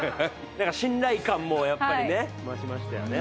なんか信頼感もやっぱりね増しましたよね。